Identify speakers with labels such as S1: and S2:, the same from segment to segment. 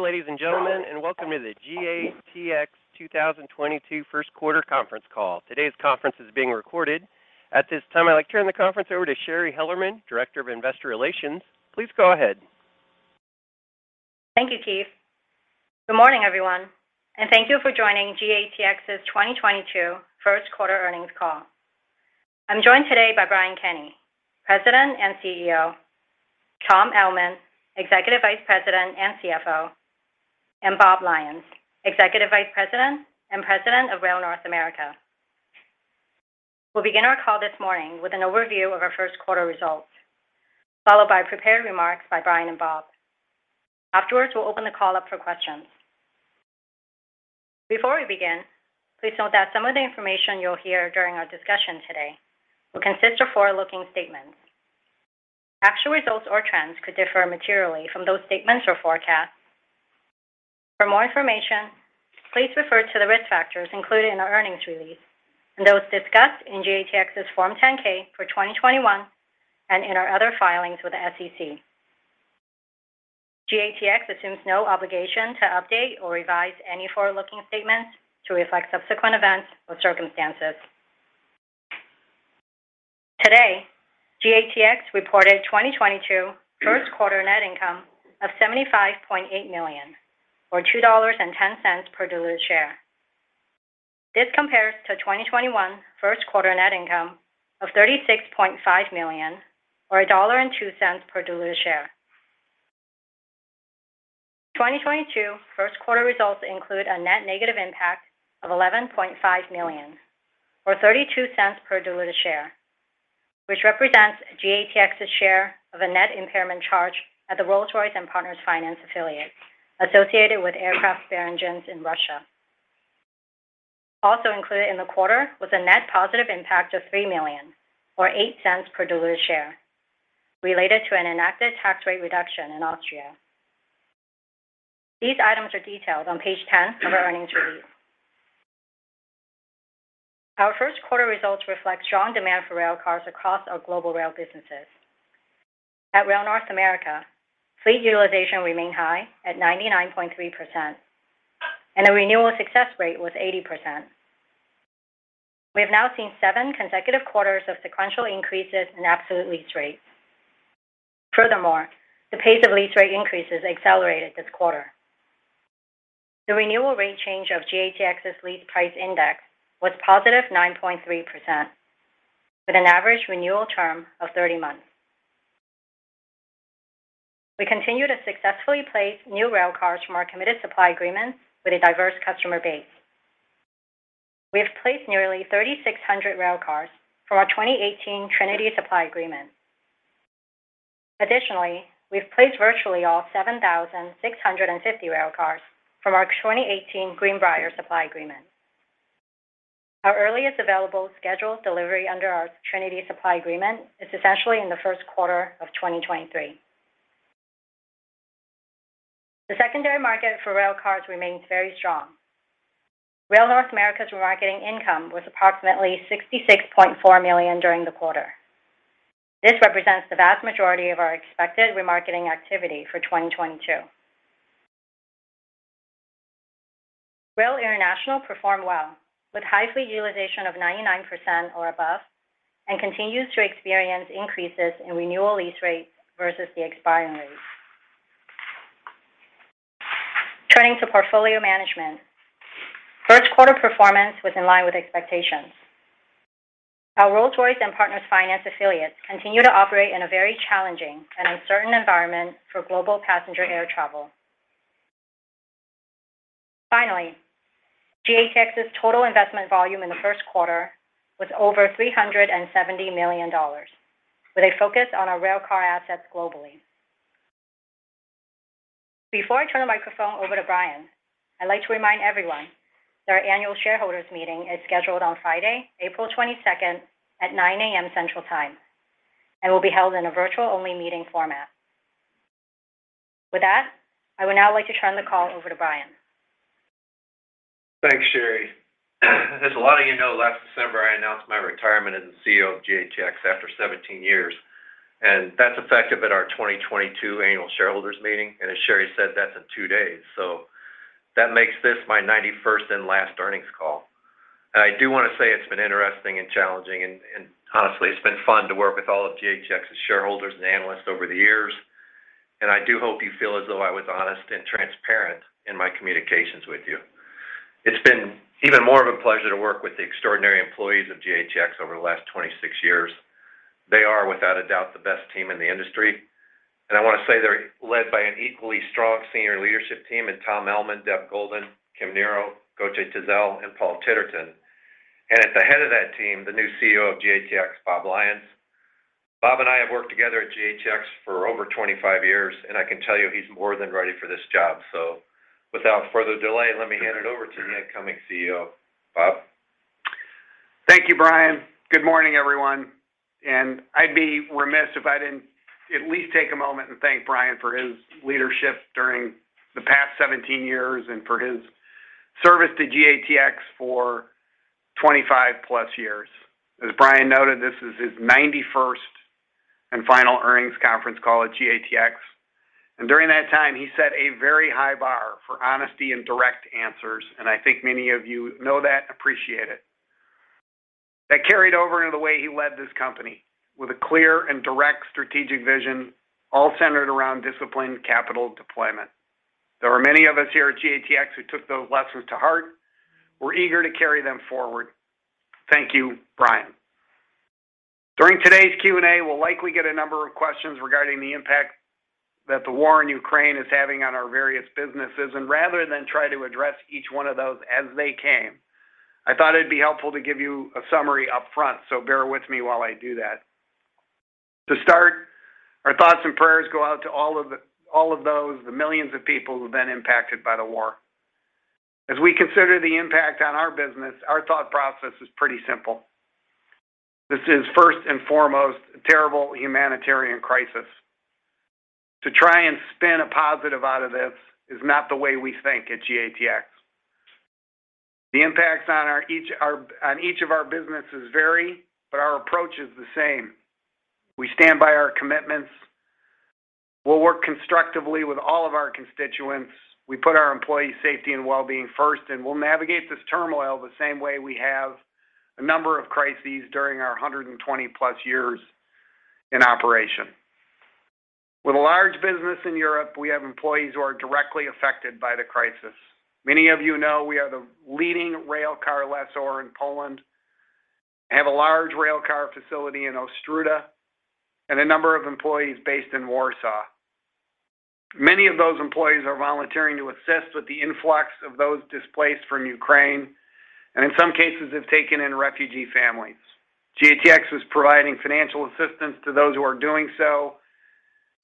S1: Ladies and gentlemen, welcome to the GATX 2022 First Quarter Conference Call. Today's conference is being recorded. At this time, I'd like to turn the conference over to Shari Hellerman, Director of Investor Relations. Please go ahead.
S2: Thank you, Keith. Good morning, everyone, and thank you for joining GATX's 2022 first quarter earnings call. I'm joined today by Brian Kenney, President and CEO, Tom Ellman, Executive Vice President and CFO, and Bob Lyons, Executive Vice President and President of Rail North America. We'll begin our call this morning with an overview of our first quarter results, followed by prepared remarks by Brian and Bob. Afterwards, we'll open the call up for questions. Before we begin, please note that some of the information you'll hear during our discussion today will consist of forward-looking statements. Actual results or trends could differ materially from those statements or forecasts. For more information, please refer to the risk factors included in our earnings release and those discussed in GATX's Form 10-K for 2021 and in our other filings with the SEC. GATX assumes no obligation to update or revise any forward-looking statements to reflect subsequent events or circumstances. Today, GATX reported 2022 first quarter net income of $75.8 million, or $2.10 per diluted share. This compares to 2021 first quarter net income of $36.5 million, or $1.02 per diluted share. 2022 first quarter results include a net negative impact of $11.5 million, or $0.32 per diluted share, which represents GATX's share of a net impairment charge at the Rolls-Royce & Partners Finance affiliate associated with aircraft spare engines in Russia. Also included in the quarter was a net positive impact of $3 million or $0.08 per diluted share related to an enacted tax rate reduction in Austria. These items are detailed on page 10 of our earnings release. Our first quarter results reflect strong demand for railcars across our global rail businesses. At Rail North America, fleet utilization remained high at 99.3%, and the renewal success rate was 80%. We have now seen seven consecutive quarters of sequential increases in absolute lease rates. Furthermore, the pace of lease rate increases accelerated this quarter. The renewal rate change of GATX's Lease Price Index was positive 9.3% with an average renewal term of 30 months. We continue to successfully place new railcars from our committed supply agreements with a diverse customer base. We have placed nearly 3,600 railcars for our 2018 Trinity supply agreement. Additionally, we've placed virtually all 7,650 railcars from our 2018 Greenbrier supply agreement. Our earliest available scheduled delivery under our Trinity supply agreement is essentially in the first quarter of 2023. The secondary market for railcars remains very strong. Rail North America's remarketing income was approximately $66.4 million during the quarter. This represents the vast majority of our expected remarketing activity for 2022. Rail International performed well with high fleet utilization of 99% or above and continues to experience increases in renewal lease rates versus the expiring rate. Turning to portfolio management, first quarter performance was in line with expectations. Our Rolls-Royce & Partners Finance affiliates continue to operate in a very challenging and uncertain environment for global passenger air travel. Finally, GATX's total investment volume in the first quarter was over $370 million, with a focus on our railcar assets globally. Before I turn the microphone over to Brian, I'd like to remind everyone that our annual shareholders meeting is scheduled on Friday, April 22nd at 9:00 A.M. Central Time and will be held in a virtual only meeting format. With that, I would now like to turn the call over to Brian.
S3: Thanks, Shari. As a lot of you know, last December, I announced my retirement as the CEO of GATX after 17 years, and that's effective at our 2022 annual shareholders meeting. As Shari said, that's in two days, so that makes this my 91st and last earnings call. I do wanna say it's been interesting and challenging, and honestly, it's been fun to work with all of GATX's shareholders and analysts over the years, and I do hope you feel as though I was honest and transparent in my communications with you. It's been even more of a pleasure to work with the extraordinary employees of GATX over the last 26 years. They are without a doubt the best team in the industry. I wanna say they're led by an equally strong senior leadership team in Tom Ellman, Deb Golden, Kim Nero, Gokce Tezel, and Paul Titterton. At the head of that team, the new CEO of GATX, Bob Lyons. Bob and I have worked together at GATX for over 25 years, and I can tell you he's more than ready for this job. Without further delay, let me hand it over to the incoming CEO. Bob?
S4: Thank you, Brian. Good morning, everyone. I'd be remiss if I didn't at least take a moment and thank Brian for his leadership during the past 17 years and for his service to GATX for 25+ years. As Brian noted, this is his 91st and final earnings conference call at GATX. During that time, he set a very high bar for honesty and direct answers, and I think many of you know that and appreciate it. That carried over into the way he led this company, with a clear and direct strategic vision, all centered around disciplined capital deployment. There are many of us here at GATX who took those lessons to heart. We're eager to carry them forward. Thank you, Brian. During today's Q&A, we'll likely get a number of questions regarding the impact that the war in Ukraine is having on our various businesses, and rather than try to address each one of those as they came, I thought it'd be helpful to give you a summary up front, so bear with me while I do that. To start, our thoughts and prayers go out to all of those, the millions of people who've been impacted by the war. As we consider the impact on our business, our thought process is pretty simple. This is first and foremost a terrible humanitarian crisis. To try and spin a positive out of this is not the way we think at GATX. The impacts on each of our businesses vary, but our approach is the same. We stand by our commitments. We'll work constructively with all of our constituents. We put our employees' safety and well-being first, and we'll navigate this turmoil the same way we have a number of crises during our 120-plus years in operation. With a large business in Europe, we have employees who are directly affected by the crisis. Many of you know we are the leading rail car lessor in Poland, have a large rail car facility in Ostróda, and a number of employees based in Warsaw. Many of those employees are volunteering to assist with the influx of those displaced from Ukraine, and in some cases have taken in refugee families. GATX is providing financial assistance to those who are doing so,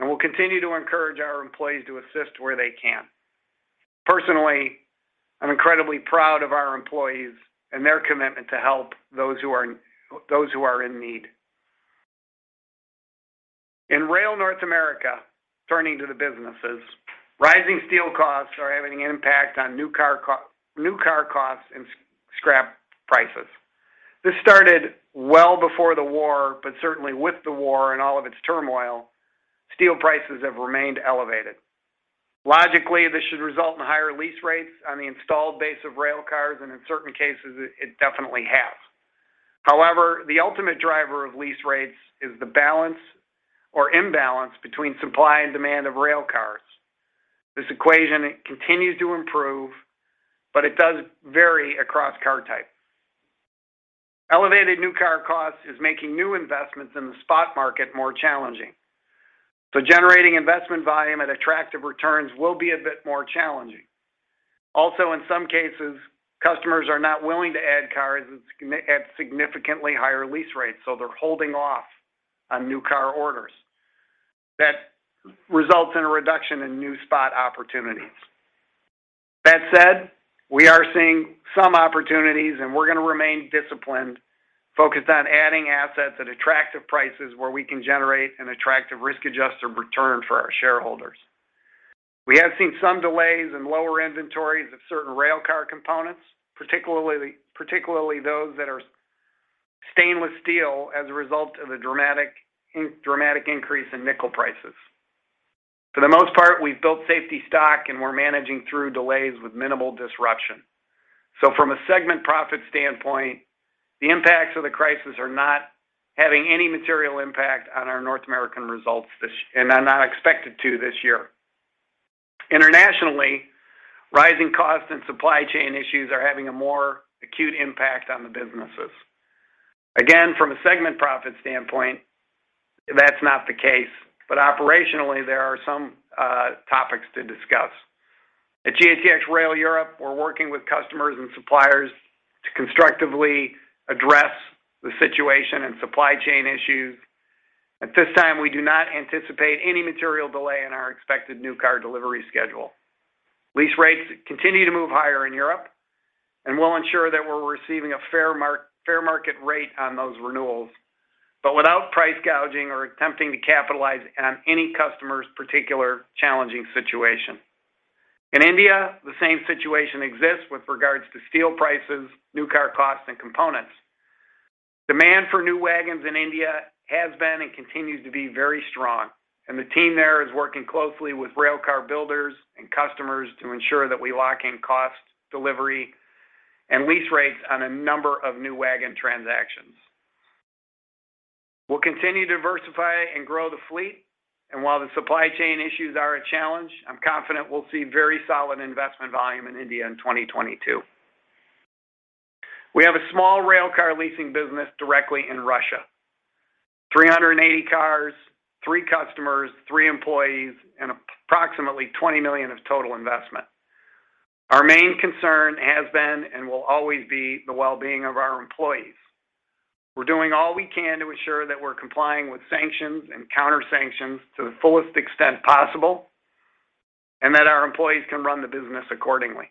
S4: and we'll continue to encourage our employees to assist where they can. Personally, I'm incredibly proud of our employees and their commitment to help those who are in need. In Rail North America, turning to the businesses, rising steel costs are having an impact on new car costs and scrap prices. This started well before the war, but certainly with the war and all of its turmoil, steel prices have remained elevated. Logically, this should result in higher lease rates on the installed base of rail cars, and in certain cases, it definitely has. However, the ultimate driver of lease rates is the balance or imbalance between supply and demand of rail cars. This equation continues to improve, but it does vary across car type. Elevated new car costs is making new investments in the spot market more challenging. So generating investment volume at attractive returns will be a bit more challenging. Also, in some cases, customers are not willing to add cars at significantly higher lease rates, so they're holding off on new car orders. That results in a reduction in new spot opportunities. That said, we are seeing some opportunities, and we're going to remain disciplined, focused on adding assets at attractive prices where we can generate an attractive risk-adjusted return for our shareholders. We have seen some delays in lower inventories of certain railcar components, particularly those that are stainless steel as a result of the dramatic increase in nickel prices. For the most part, we've built safety stock, and we're managing through delays with minimal disruption. From a segment profit standpoint, the impacts of the crisis are not having any material impact on our North American results, and are not expected to this year. Internationally, rising costs and supply chain issues are having a more acute impact on the businesses. Again, from a segment profit standpoint, that's not the case, but operationally, there are some topics to discuss. At GATX Rail Europe, we're working with customers and suppliers to constructively address the situation and supply chain issues. At this time, we do not anticipate any material delay in our expected new car delivery schedule. Lease rates continue to move higher in Europe, and we'll ensure that we're receiving a fair market rate on those renewals, but without price gouging or attempting to capitalize on any customer's particular challenging situation. In India, the same situation exists with regards to steel prices, new car costs, and components. Demand for new wagons in India has been and continues to be very strong, and the team there is working closely with rail car builders and customers to ensure that we lock in cost, delivery, and lease rates on a number of new wagon transactions. We'll continue to diversify and grow the fleet, and while the supply chain issues are a challenge, I'm confident we'll see very solid investment volume in India in 2022. We have a small railcar leasing business directly in Russia. 380 cars, 3 customers, 3 employees, and approximately $20 million of total investment. Our main concern has been and will always be the well-being of our employees. We're doing all we can to ensure that we're complying with sanctions and counter-sanctions to the fullest extent possible, and that our employees can run the business accordingly.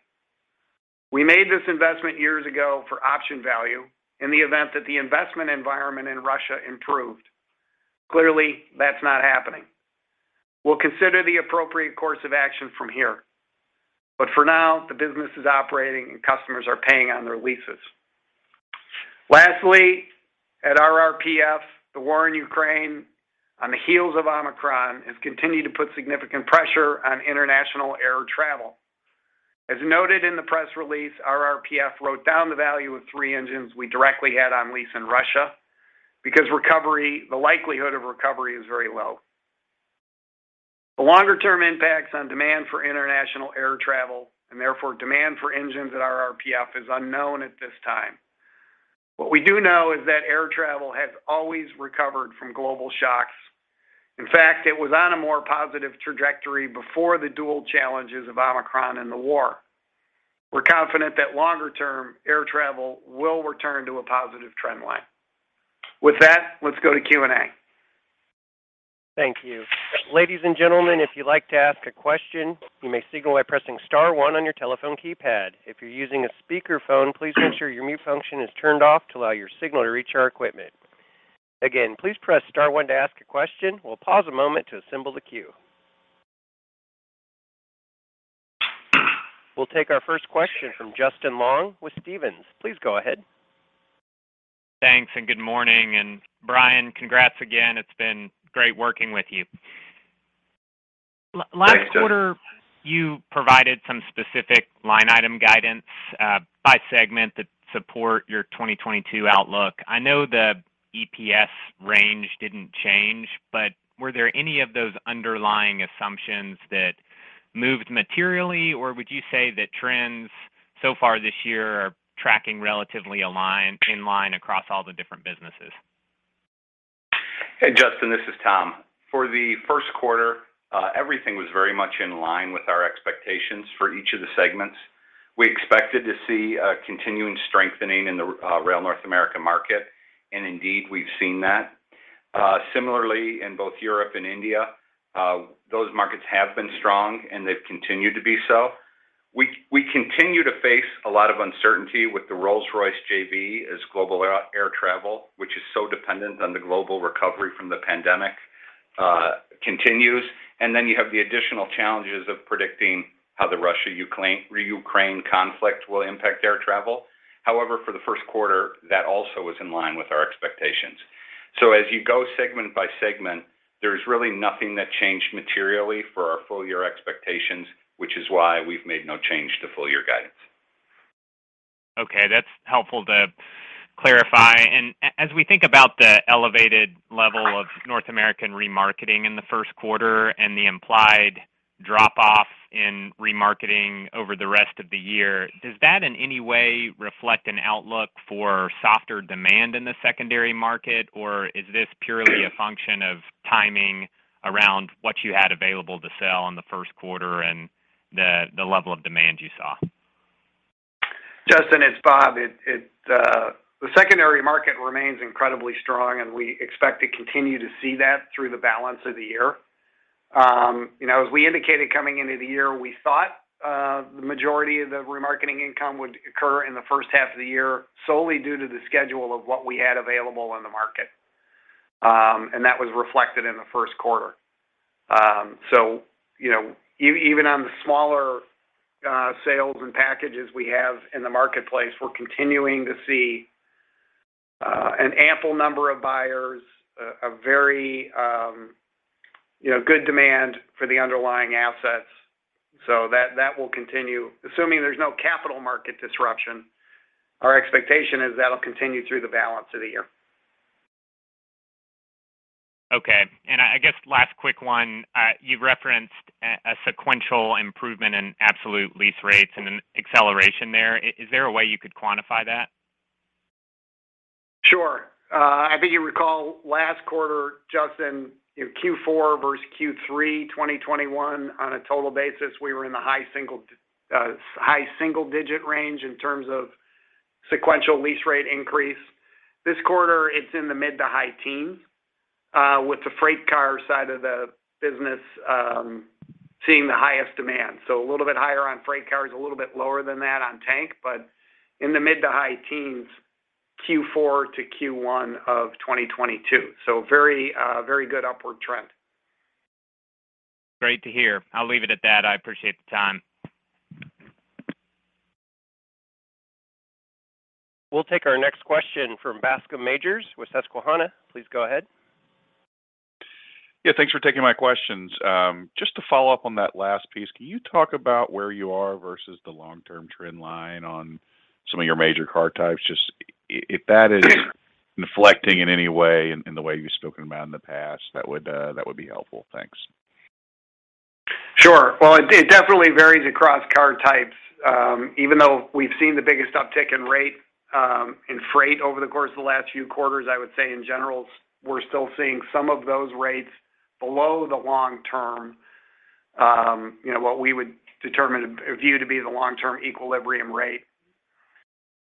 S4: We made this investment years ago for option value in the event that the investment environment in Russia improved. Clearly, that's not happening. We'll consider the appropriate course of action from here. For now, the business is operating and customers are paying on their leases. Lastly, at RRPF, the war in Ukraine on the heels of Omicron has continued to put significant pressure on international air travel. As noted in the press release, RRPF wrote down the value of 3 engines we directly had on lease in Russia because the likelihood of recovery is very low. The longer-term impacts on demand for international air travel, and therefore demand for engines at RRPF, is unknown at this time. What we do know is that air travel has always recovered from global shocks. In fact, it was on a more positive trajectory before the dual challenges of Omicron and the war. We're confident that longer-term air travel will return to a positive trend line. With that, let's go to Q&A.
S1: Thank you. Ladies and gentlemen, if you'd like to ask a question, you may signal by pressing star one on your telephone keypad. If you're using a speakerphone, please make sure your mute function is turned off to allow your signal to reach our equipment. Again, please press star one to ask a question. We'll pause a moment to assemble the queue. We'll take our first question from Justin Long with Stephens. Please go ahead.
S5: Thanks and good morning. Brian, congrats again. It's been great working with you.
S6: Thanks, Justin.
S5: Last quarter, you provided some specific line item guidance by segment that support your 2022 outlook. I know the EPS range didn't change, but were there any of those underlying assumptions that moved materially? Or would you say that trends so far this year are tracking relatively in line across all the different businesses?
S7: Hey, Justin, this is Tom. For the first quarter, everything was very much in line with our expectations for each of the segments. We expected to see a continuing strengthening in the Rail North America market, and indeed, we've seen that. Similarly in both Europe and India, those markets have been strong, and they've continued to be so. We continue to face a lot of uncertainty with the Rolls-Royce JV as global air travel, which is so dependent on the global recovery from the pandemic, continues. Then you have the additional challenges of predicting how the Russia-Ukraine conflict will impact air travel. However, for the first quarter, that also was in line with our expectations. As you go segment by segment, there's really nothing that changed materially for our full year expectations, which is why we've made no change to full year guidance.
S5: Okay, that's helpful to clarify. As we think about the elevated level of North American remarketing in the first quarter and the implied drop-off in remarketing over the rest of the year, does that in any way reflect an outlook for softer demand in the secondary market? Or is this purely a function of timing around what you had available to sell in the first quarter and the level of demand you saw?
S4: Justin, it's Bob. The secondary market remains incredibly strong, and we expect to continue to see that through the balance of the year. You know, as we indicated coming into the year, we thought the majority of the remarketing income would occur in the first half of the year, solely due to the schedule of what we had available on the market. That was reflected in the first quarter. You know, even on the smaller sales and packages we have in the marketplace, we're continuing to see an ample number of buyers, a very, you know, good demand for the underlying assets. That will continue. Assuming there's no capital market disruption, our expectation is that'll continue through the balance of the year.
S5: Okay. I guess last quick one. You've referenced a sequential improvement in absolute lease rates and an acceleration there. Is there a way you could quantify that?
S4: Sure. I think you recall last quarter, Justin, you know, Q4 versus Q3 2021, on a total basis, we were in the high single-digit range in terms of sequential lease rate increase. This quarter, it's in the mid to high teens, with the freight car side of the business seeing the highest demand. A little bit higher on freight cars, a little bit lower than that on tank, but in the mid to high teens, Q4 to Q1 of 2022. Very good upward trend.
S5: Great to hear. I'll leave it at that. I appreciate the time.
S1: We'll take our next question from Bascome Majors with Susquehanna. Please go ahead.
S8: Yeah, thanks for taking my questions. Just to follow up on that last piece, can you talk about where you are versus the long-term trend line on some of your major car types? Just if that is inflecting in any way in the way you've spoken about in the past, that would be helpful. Thanks.
S4: Sure. Well, it definitely varies across car types. Even though we've seen the biggest uptick in rate in freight over the course of the last few quarters, I would say in general, we're still seeing some of those rates below the long-term, you know, what we would determine or view to be the long-term equilibrium rate.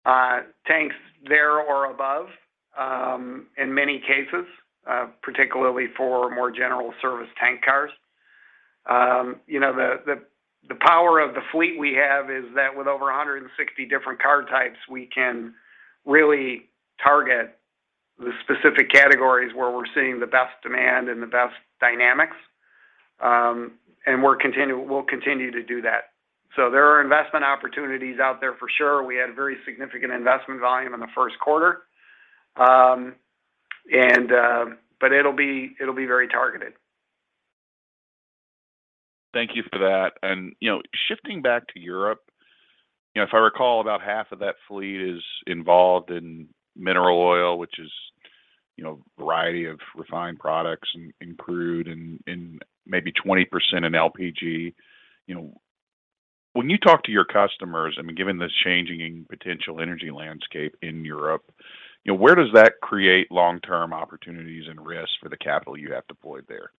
S4: Tanks, they're or above in many cases, particularly for more general service tank cars. You know, the power of the fleet we have is that with over 160 different car types, we can really target The specific categories where we're seeing the best demand and the best dynamics, and we'll continue to do that. There are investment opportunities out there for sure. We had very significant investment volume in the first quarter. It'll be very targeted.
S8: Thank you for that. You know, shifting back to Europe, you know, if I recall, about half of that fleet is involved in mineral oil, which is, you know, a variety of refined products and crude and maybe 20% in LPG. You know, when you talk to your customers, I mean, given this changing potential energy landscape in Europe, you know, where does that create long-term opportunities and risks for the capital you have deployed there?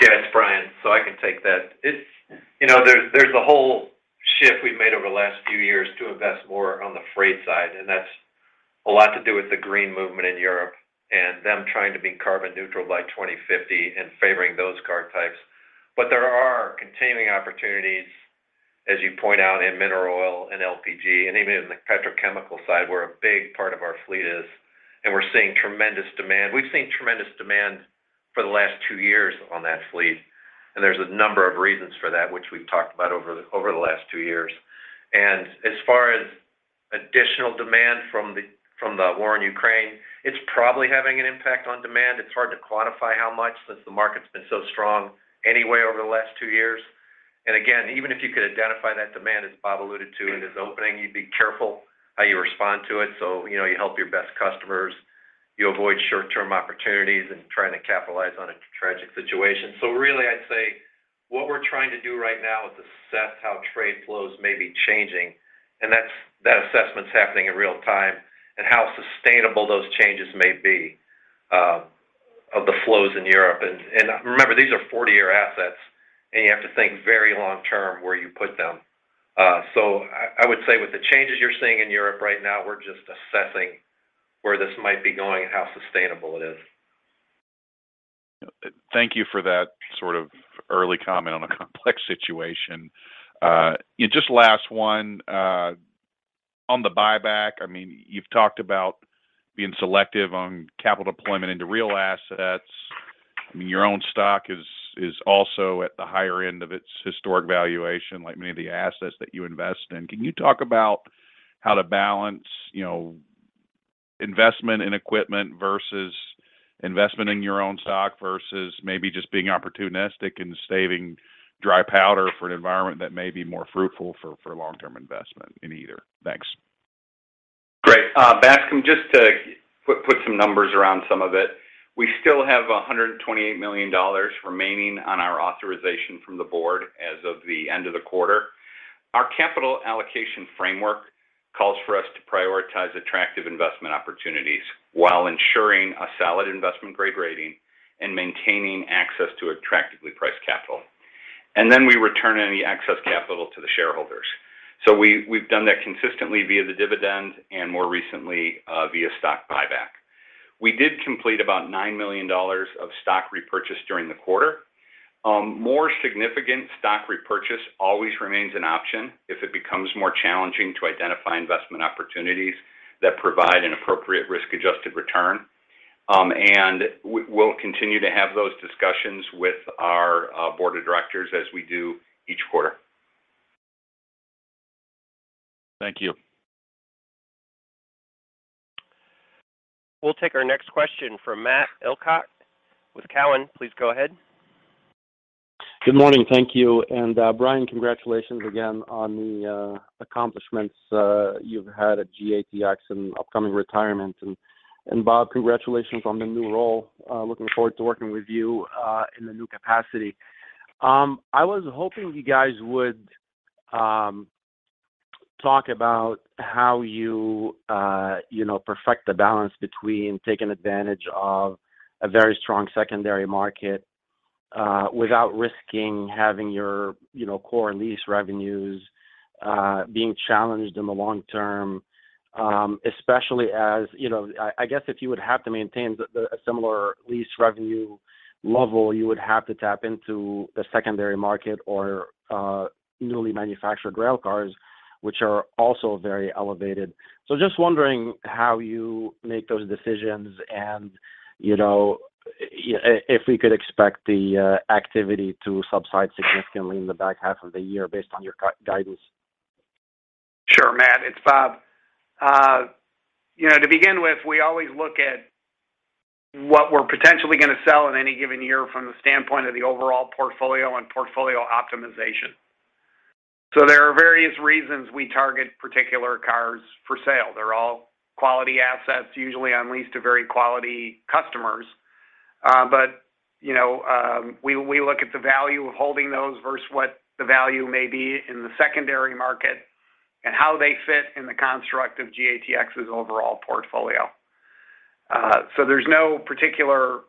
S3: Yeah, it's Brian, so I can take that. It's. You know, there's a whole shift we've made over the last few years to invest more on the freight side, and that's a lot to do with the green movement in Europe and them trying to be carbon neutral by 2050 and favoring those car types. There are continuing opportunities, as you point out, in mineral oil and LPG and even in the petrochemical side, where a big part of our fleet is. We're seeing tremendous demand. We've seen tremendous demand for the last two years on that fleet. There's a number of reasons for that, which we've talked about over the last two years. As far as additional demand from the war in Ukraine, it's probably having an impact on demand. It's hard to quantify how much since the market's been so strong anyway over the last two years. Again, even if you could identify that demand, as Bob alluded to, in his opening, you'd be careful how you respond to it. You know, you help your best customers, you avoid short-term opportunities and trying to capitalize on a tragic situation. Really, I'd say what we're trying to do right now is assess how trade flows may be changing, and that assessment's happening in real time and how sustainable those changes may be, of the flows in Europe. Remember, these are 40-year assets, and you have to think very long term where you put them. I would say with the changes you're seeing in Europe right now, we're just assessing where this might be going and how sustainable it is.
S8: Thank you for that sort of early comment on a complex situation. Just last one. On the buyback, I mean, you've talked about being selective on capital deployment into real assets. I mean, your own stock is also at the higher end of its historic valuation, like many of the assets that you invest in. Can you talk about how to balance, you know, investment in equipment versus investment in your own stock, versus maybe just being opportunistic and saving dry powder for an environment that may be more fruitful for long-term investment in either? Thanks.
S3: Great. Bascome, just to put some numbers around some of it. We still have $128 million remaining on our authorization from the board as of the end of the quarter. Our capital allocation framework calls for us to prioritize attractive investment opportunities while ensuring a solid investment-grade rating and maintaining access to attractively priced capital. We return any excess capital to the shareholders. We’ve done that consistently via the dividend and more recently via stock buyback. We did complete about $9 million of stock repurchase during the quarter. More significant stock repurchase always remains an option if it becomes more challenging to identify investment opportunities that provide an appropriate risk-adjusted return. We’ll continue to have those discussions with our board of directors as we do each quarter.
S8: Thank you.
S1: We'll take our next question from Matt Elkott with Cowen. Please go ahead.
S9: Good morning. Thank you. Brian, congratulations again on the accomplishments you've had at GATX and upcoming retirement. Bob, congratulations on the new role. Looking forward to working with you in the new capacity. I was hoping you guys would talk about how you know perfect the balance between taking advantage of a very strong secondary market without risking having your you know core lease revenues being challenged in the long term. Especially as you know I guess if you would have to maintain a similar lease revenue level you would have to tap into the secondary market or newly manufactured rail cars which are also very elevated. Just wondering how you make those decisions and, you know, if we could expect the activity to subside significantly in the back half of the year based on your guidance.
S4: Sure, Matt. It's Bob. You know, to begin with, we always look at what we're potentially gonna sell in any given year from the standpoint of the overall portfolio and portfolio optimization. There are various reasons we target particular cars for sale. They're all quality assets, usually on lease to very quality customers. You know, we look at the value of holding those versus what the value may be in the secondary market and how they fit in the construct of GATX's overall portfolio. There's no particular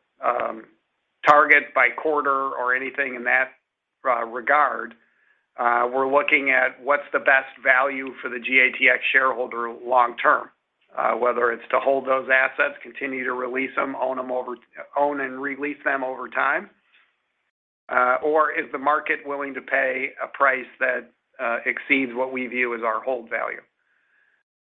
S4: target by quarter or anything in that regard. We're looking at what's the best value for the GATX shareholder long term, whether it's to hold those assets, continue to release them, own and release them over time. Is the market willing to pay a price that exceeds what we view as our hold value?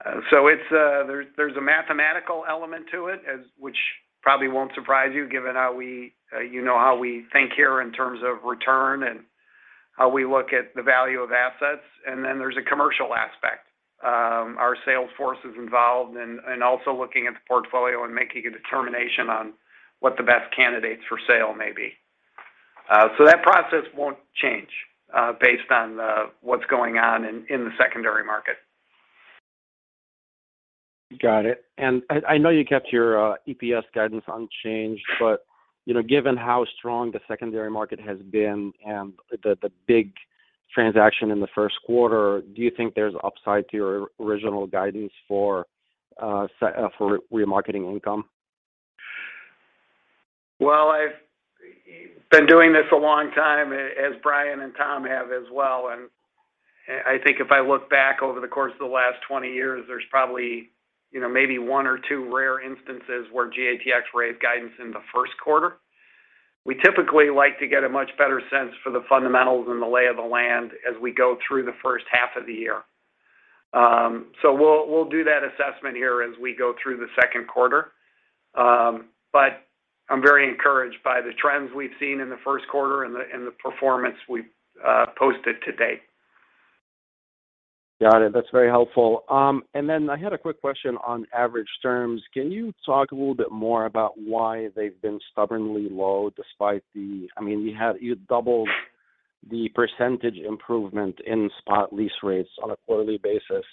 S4: It's, there's a mathematical element to it which probably won't surprise you given how we you know how we think here in terms of return and how we look at the value of assets. Then there's a commercial aspect. Our sales force is involved in also looking at the portfolio and making a determination on what the best candidates for sale may be. That process won't change based on what's going on in the secondary market.
S9: Got it. I know you kept your EPS guidance unchanged, but you know, given how strong the secondary market has been and the big transaction in the first quarter, do you think there's upside to your original guidance for remarketing income?
S4: Well, I've been doing this a long time, as Brian and Tom have as well, and I think if I look back over the course of the last 20 years, there's probably, you know, maybe one or two rare instances where GATX raised guidance in the first quarter. We typically like to get a much better sense for the fundamentals and the lay of the land as we go through the first half of the year. We'll do that assessment here as we go through the second quarter. I'm very encouraged by the trends we've seen in the first quarter and the performance we've posted to date.
S9: Got it. That's very helpful. I had a quick question on average terms. Can you talk a little bit more about why they've been stubbornly low despite, I mean, you doubled the percentage improvement in spot lease rates on a quarterly basis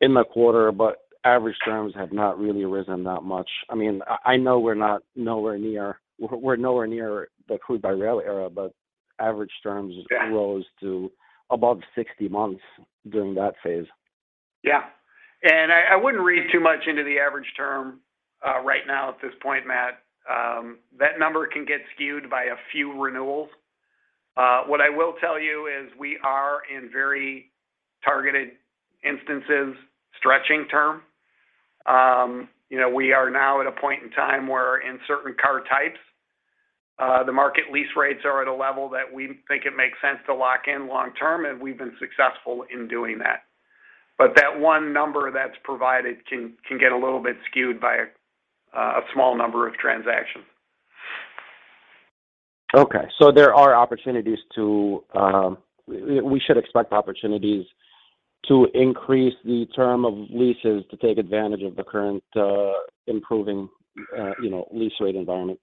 S9: in the quarter, but average terms have not really risen that much. I mean, I know we're nowhere near the crude by rail era, but average terms rose to above 60 months during that phase.
S4: Yeah. I wouldn't read too much into the average term right now at this point, Matt. That number can get skewed by a few renewals. What I will tell you is we are in very targeted instances, stretching term. You know, we are now at a point in time where in certain car types, the market lease rates are at a level that we think it makes sense to lock in long term, and we've been successful in doing that. That one number that's provided can get a little bit skewed by a small number of transactions.
S9: Okay. We should expect opportunities to increase the term of leases to take advantage of the current improving, you know, lease rate environment.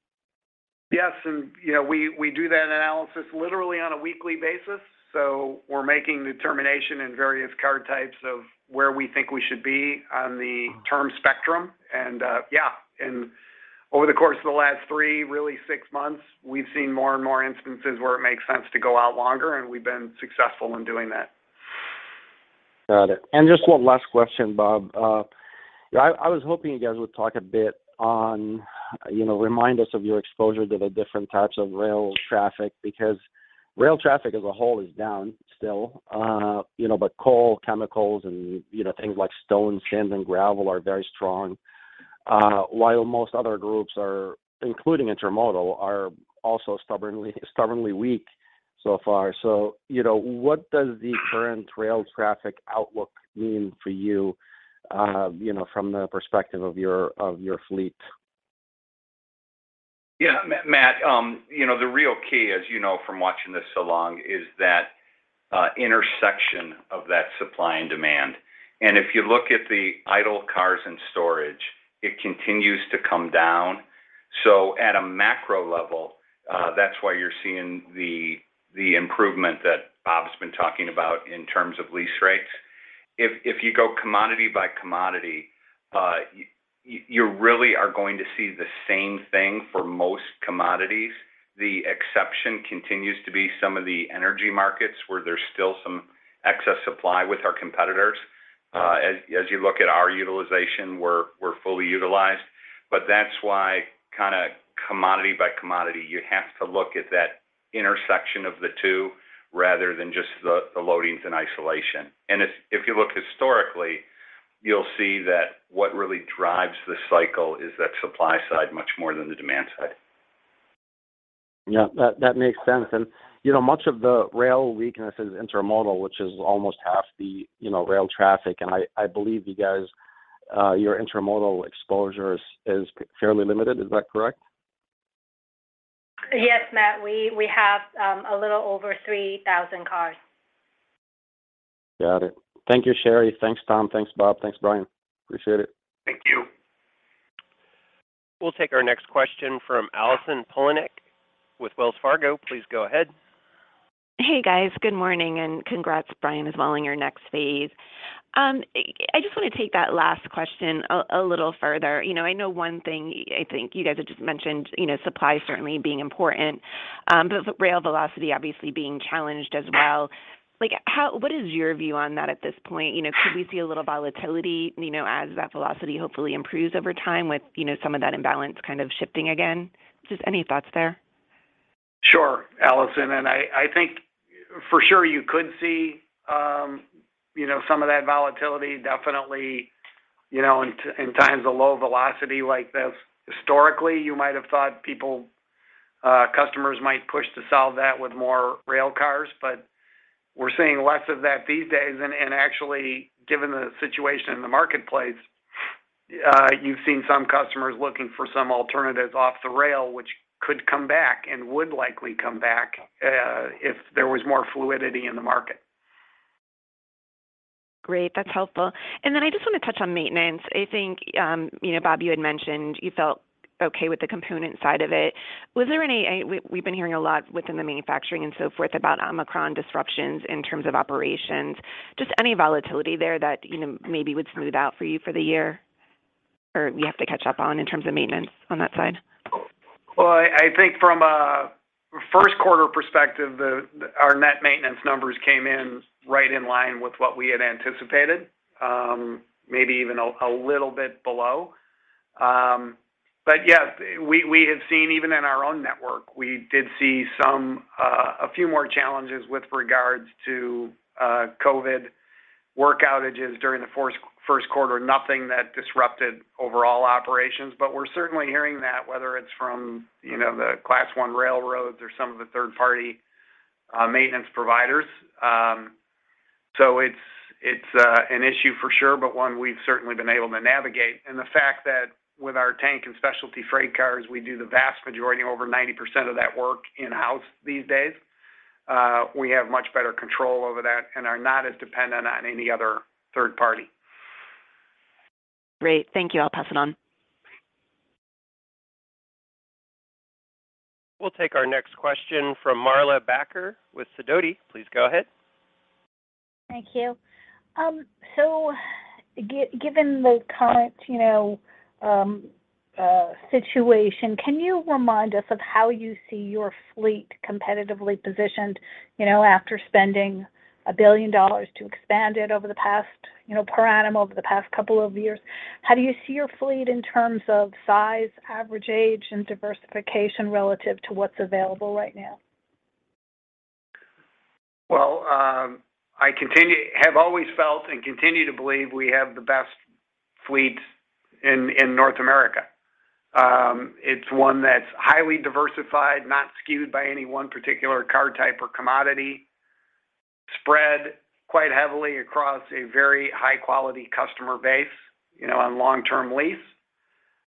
S4: Yes. You know, we do that analysis literally on a weekly basis, so we're making determination in various car types of where we think we should be on the term spectrum. Yeah, and over the course of the last three, really six months, we've seen more and more instances where it makes sense to go out longer, and we've been successful in doing that.
S9: Got it. Just one last question, Bob. You know, I was hoping you guys would talk a bit, you know, remind us of your exposure to the different types of rail traffic, because rail traffic as a whole is down still. You know, but coal, chemicals, and, you know, things like stone, sand, and gravel are very strong. While most other groups, including intermodal, are also stubbornly weak so far. You know, what does the current rail traffic outlook mean for you know, from the perspective of your fleet?
S7: Yeah, Matt, you know, the real key, as you know from watching this so long, is that intersection of that supply and demand. If you look at the idle cars in storage, it continues to come down. At a macro level, that's why you're seeing the improvement that Bob's been talking about in terms of lease rates. If you go commodity by commodity, you really are going to see the same thing for most commodities. The exception continues to be some of the energy markets where there's still some excess supply with our competitors. As you look at our utilization, we're fully utilized. That's why kinda commodity by commodity, you have to look at that intersection of the two rather than just the loadings in isolation. If you look historically, you'll see that what really drives this cycle is that supply side much more than the demand side.
S9: Yeah. That makes sense. You know, much of the rail weakness is intermodal, which is almost half the, you know, rail traffic. I believe you guys, your intermodal exposure is fairly limited. Is that correct?
S2: Yes, Matt. We have a little over 3,000 cars.
S9: Got it. Thank you, Shari. Thanks, Tom. Thanks, Bob. Thanks, Brian. Appreciate it.
S7: Thank you.
S1: We'll take our next question from Allison Poliniak with Wells Fargo. Please go ahead.
S10: Hey, guys. Good morning, and congrats, Brian, as well, on your next phase. I just want to take that last question a little further. You know, I know one thing, I think you guys have just mentioned, you know, supply certainly being important, but rail velocity obviously being challenged as well. Like, what is your view on that at this point? You know, could we see a little volatility, you know, as that velocity hopefully improves over time with, you know, some of that imbalance kind of shifting again? Just any thoughts there?
S4: Sure, Allison. I think for sure, you could see, you know, some of that volatility definitely, you know, in times of low velocity like this. Historically, you might have thought people, customers might push to solve that with more rail cars, but we're seeing less of that these days. Actually, given the situation in the marketplace, you've seen some customers looking for some alternatives off the rail, which could come back and would likely come back, if there was more fluidity in the market.
S10: Great. That's helpful. I just wanna touch on maintenance. I think, you know, Bob, you had mentioned you felt okay with the component side of it. Was there any, we've been hearing a lot within the manufacturing and so forth about Omicron disruptions in terms of operations. Just any volatility there that, you know, maybe would smooth out for you for the year, or you have to catch up on in terms of maintenance on that side?
S4: Well, I think from a first quarter perspective, our net maintenance numbers came in right in line with what we had anticipated, maybe even a little bit below. Yes, we have seen even in our own network, we did see a few more challenges with regards to COVID work outages during the first quarter. Nothing that disrupted overall operations, but we're certainly hearing that, whether it's from, you know, the Class I railroads or some of the third-party maintenance providers. It's an issue for sure, but one we've certainly been able to navigate. The fact that with our tank and specialty freight cars, we do the vast majority, over 90% of that work in-house these days, we have much better control over that and are not as dependent on any other third party.
S10: Great. Thank you. I'll pass it on.
S1: We'll take our next question from Marla Backer with Sidoti. Please go ahead.
S11: Thank you. Given the current situation, can you remind us of how you see your fleet competitively positioned, after spending $1 billion to expand it over the past per annum over the past couple of years? How do you see your fleet in terms of size, average age, and diversification relative to what's available right now?
S4: Well, I have always felt and continue to believe we have the best fleet in North America. It's one that's highly diversified, not skewed by any one particular car type or commodity, spread quite heavily across a very high-quality customer base, you know, on long-term lease.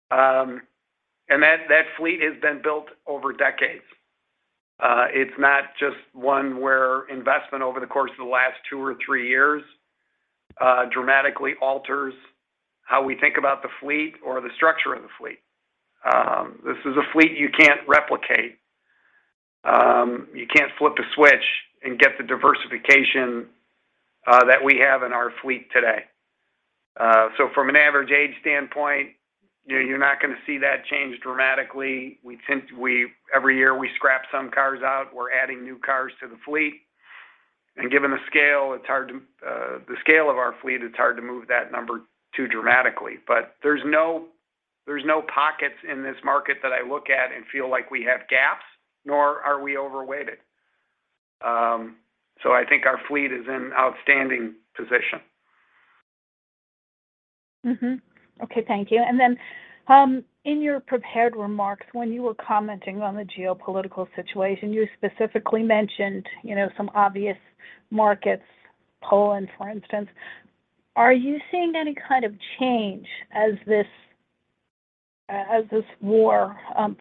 S4: That fleet has been built over decades. It's not just one where investment over the course of the last two or three years dramatically alters how we think about the fleet or the structure of the fleet. This is a fleet you can't replicate. You can't flip a switch and get the diversification that we have in our fleet today. From an average age standpoint, you know, you're not gonna see that change dramatically. Every year, we scrap some cars out. We're adding new cars to the fleet. Given the scale of our fleet, it's hard to move that number too dramatically. There's no pockets in this market that I look at and feel like we have gaps, nor are we overweighted. I think our fleet is in outstanding position.
S11: Mm-hmm. Okay, thank you. In your prepared remarks, when you were commenting on the geopolitical situation, you specifically mentioned, you know, some obvious markets, Poland, for instance. Are you seeing any kind of change as this war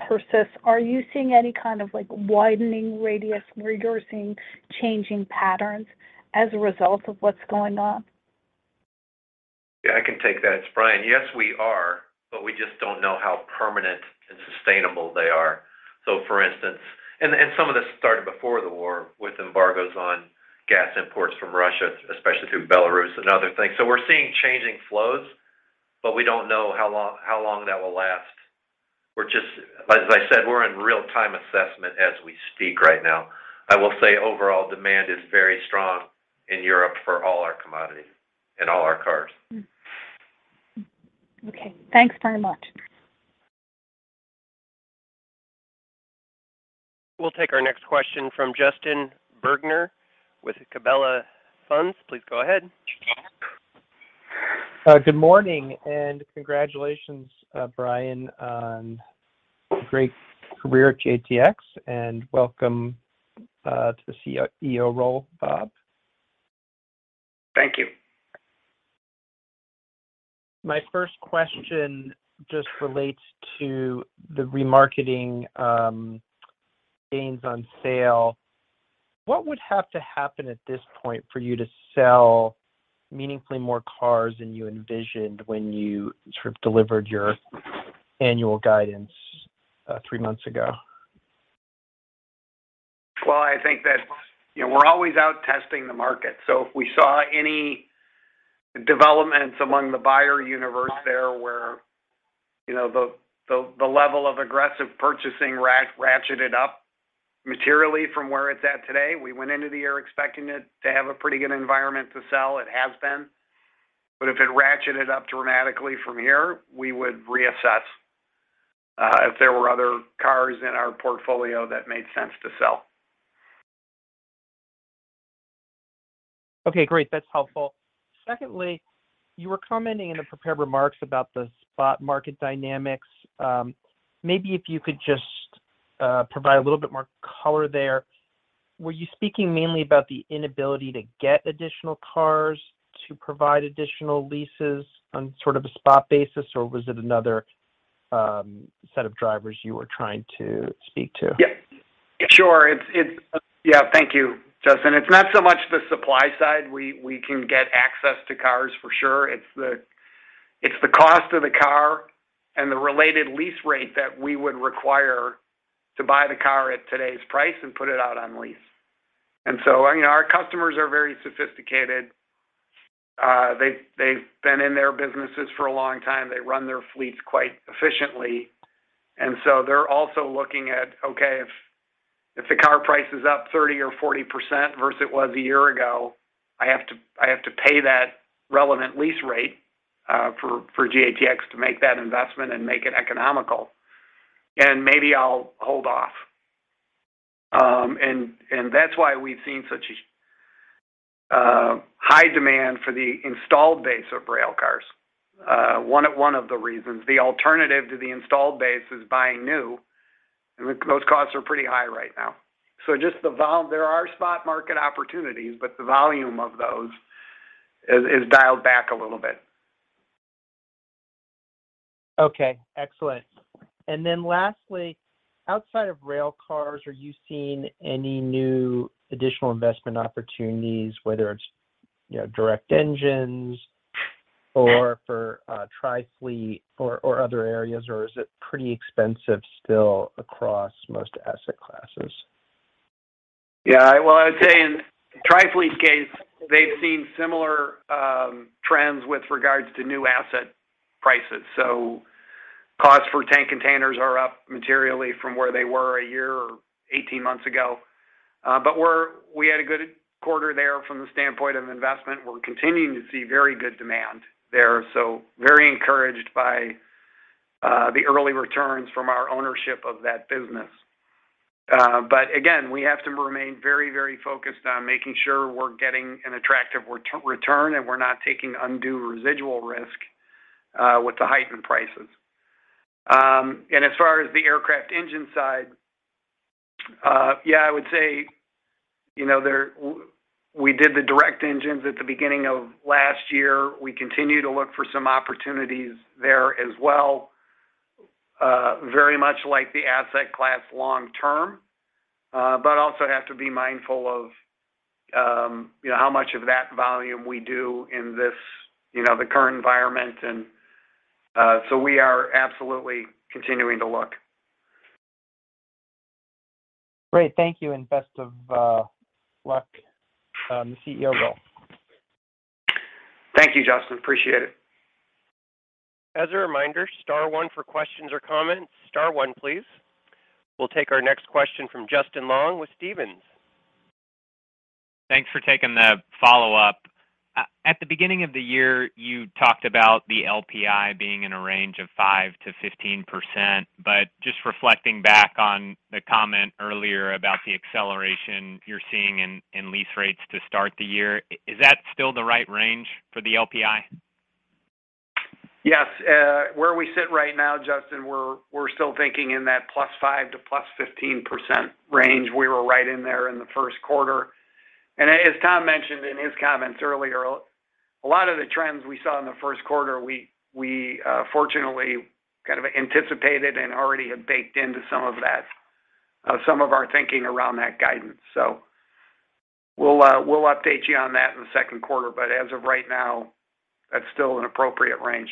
S11: persists? Are you seeing any kind of, like, widening radius? Are you guys seeing changing patterns as a result of what's going on?
S3: Yeah, I can take that. It's Brian. Yes, we are, but we just don't know how permanent and sustainable they are. For instance, some of this started before the war with embargoes on gas imports from Russia, especially through Belarus and other things. We're seeing changing flows, but we don't know how long that will last. As I said, we're in real time assessment as we speak right now. I will say overall demand is very strong in Europe for all our commodity and all our cars.
S11: Okay, thanks very much.
S1: We'll take our next question from Justin Bergner with Gabelli Funds. Please go ahead.
S12: Good morning, and congratulations, Brian, on a great career at GATX, and welcome to the CEO role, Bob.
S4: Thank you.
S12: My first question just relates to the remarketing, gains on sale. What would have to happen at this point for you to sell meaningfully more cars than you envisioned when you sort of delivered your annual guidance, three months ago?
S4: Well, I think that, you know, we're always out testing the market. If we saw any developments among the buyer universe there where, you know, the level of aggressive purchasing ratcheted up materially from where it's at today, we went into the year expecting it to have a pretty good environment to sell. It has been. If it ratcheted up dramatically from here, we would reassess. If there were other cars in our portfolio that made sense to sell.
S12: Okay, great. That's helpful. Secondly, you were commenting in the prepared remarks about the spot market dynamics. Maybe if you could just provide a little bit more color there. Were you speaking mainly about the inability to get additional cars to provide additional leases on sort of a spot basis, or was it another set of drivers you were trying to speak to?
S4: Thank you, Justin. It's not so much the supply side. We can get access to cars for sure. It's the cost of the car and the related lease rate that we would require to buy the car at today's price and put it out on lease. You know, our customers are very sophisticated. They've been in their businesses for a long time. They run their fleets quite efficiently. They're also looking at, okay, if the car price is up 30% or 40% versus it was a year ago, I have to pay that relevant lease rate for GATX to make that investment and make it economical. Maybe I'll hold off. That's why we've seen such a high demand for the installed base of railcars. One of the reasons. The alternative to the installed base is buying new, and those costs are pretty high right now. There are spot market opportunities, but the volume of those is dialed back a little bit.
S12: Okay, excellent. Lastly, outside of railcars, are you seeing any new additional investment opportunities, whether it's, you know, direct engines or for, Trifleet or other areas, or is it pretty expensive still across most asset classes?
S4: Yeah. Well, I would say in Trifleet's case, they've seen similar trends with regards to new asset prices. Costs for tank containers are up materially from where they were a year or 18 months ago. We had a good quarter there from the standpoint of investment. We're continuing to see very good demand there. Very encouraged by the early returns from our ownership of that business. But again, we have to remain very, very focused on making sure we're getting an attractive return, and we're not taking undue residual risk with the heightened prices. As far as the aircraft engine side, I would say, you know, we did the direct engines at the beginning of last year. We continue to look for some opportunities there as well, very much like the asset class long term, but also have to be mindful of, you know, how much of that volume we do in this, you know, the current environment. We are absolutely continuing to look.
S12: Great. Thank you, and best of luck on the CEO role.
S4: Thank you, Justin. Appreciate it.
S1: As a reminder, star one for questions or comments. Star one, please. We'll take our next question from Justin Long with Stephens.
S5: Thanks for taking the follow-up. At the beginning of the year, you talked about the LPI being in a range of 5%-15%, but just reflecting back on the comment earlier about the acceleration you're seeing in lease rates to start the year, is that still the right range for the LPI?
S4: Yes. Where we sit right now, Justin, we're still thinking in that +5% to +15% range. We were right in there in the first quarter. As Tom mentioned in his comments earlier, a lot of the trends we saw in the first quarter, we fortunately kind of anticipated and already have baked into some of that, some of our thinking around that guidance. We'll update you on that in the second quarter, but as of right now, that's still an appropriate range.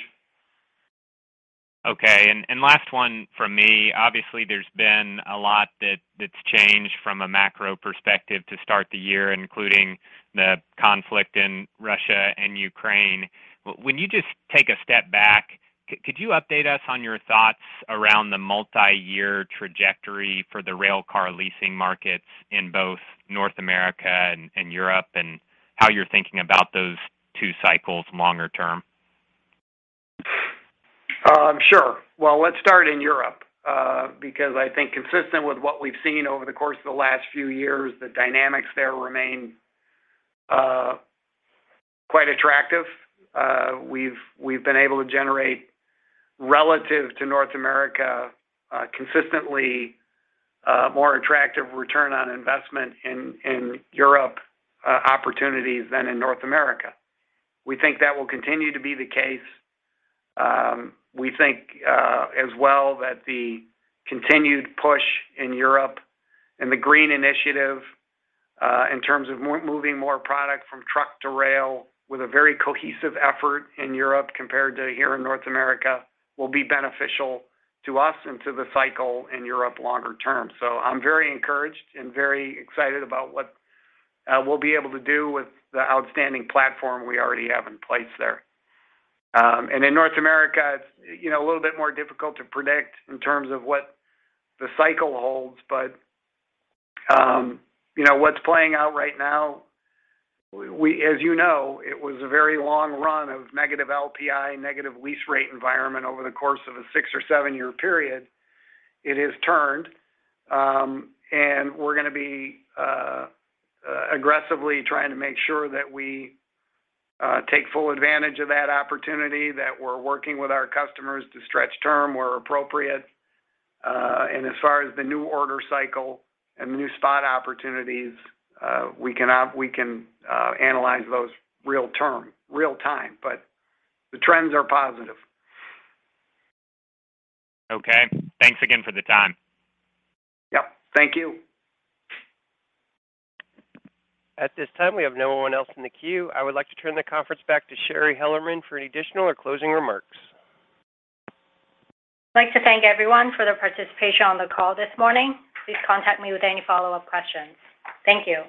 S5: Okay. Last one from me. Obviously, there's been a lot that's changed from a macro perspective to start the year, including the conflict in Russia-Ukraine. When you just take a step back, could you update us on your thoughts around the multi-year trajectory for the railcar leasing markets in both North America and Europe and how you're thinking about those two cycles longer term?
S4: Sure. Well, let's start in Europe, because I think consistent with what we've seen over the course of the last few years, the dynamics there remain quite attractive. We've been able to generate relative to North America consistently more attractive return on investment in Europe opportunities than in North America. We think that will continue to be the case. We think as well that the continued push in Europe and the green initiative in terms of moving more product from truck to rail with a very cohesive effort in Europe compared to here in North America will be beneficial to us and to the cycle in Europe longer term. I'm very encouraged and very excited about what we'll be able to do with the outstanding platform we already have in place there. In North America, it's you know a little bit more difficult to predict in terms of what the cycle holds, but you know what's playing out right now, as you know, it was a very long run of negative LPI, negative lease rate environment over the course of a six or seven-year period. It has turned, and we're gonna be aggressively trying to make sure that we take full advantage of that opportunity, that we're working with our customers to stretch term where appropriate. As far as the new order cycle and the new spot opportunities, we can analyze those real time, but the trends are positive.
S5: Okay. Thanks again for the time.
S4: Yep. Thank you.
S1: At this time, we have no one else in the queue. I would like to turn the conference back to Shari Hellerman for any additional or closing remarks.
S2: I'd like to thank everyone for their participation on the call this morning. Please contact me with any follow-up questions. Thank you.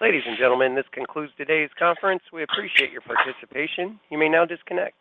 S1: Ladies and gentlemen, this concludes today's conference. We appreciate your participation. You may now disconnect.